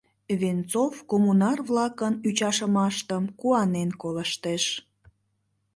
Венцов коммунар-влакын ӱчашымыштым куанен колыштеш.